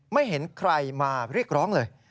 ไม่เห็นใครมาเรียกร้องเลย